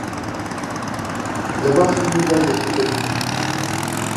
لە باخی میردا یەکتر دەبینن